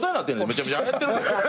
めちゃめちゃはやってるで。